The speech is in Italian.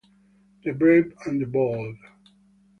The Brave and the Bold